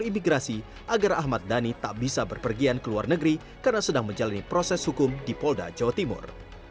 imigrasi agar ahmad dhani tak bisa berpergian ke luar negeri karena sedang menjalani proses hukum di polda jawa timur